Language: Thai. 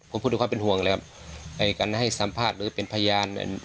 ผมพูดด้วยความเป็นห่วงเลยครับไอ้การให้สัมภาษณ์หรือเป็นพยาน